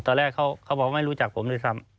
ตอนแรกเขาบอกไม่รู้จักผมด้วยซ้ำ